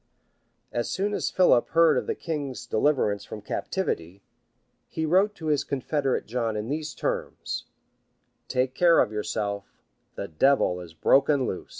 [] As soon as Philip heard of the king's deliverance from captivity, he wrote to his confederate John in these terms: "Take care of yourself: the devil is broken loose."